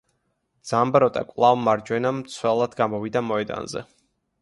ძამბროტა კვალავ მარჯვენა მცველად გამოვიდა მოედანზე.